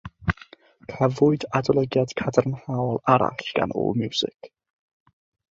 Cafwyd adolygiad cadarnhaol arall gan Allmusic.